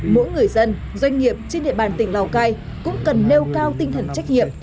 mỗi người dân doanh nghiệp trên địa bàn tỉnh lào cai cũng cần nêu cao tinh thần trách nhiệm